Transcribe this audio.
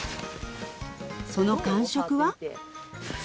その感触は？